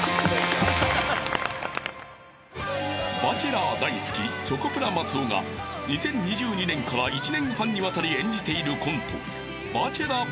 ［バチェラー大好きチョコプラ松尾が２０２２年から１年半にわたり演じているコント］